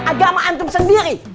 agama antum sendiri